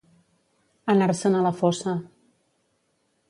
Anar-se'n a la fossa.